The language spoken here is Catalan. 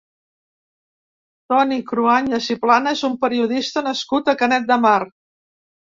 Toni Cruanyes i Plana és un periodista nascut a Canet de Mar.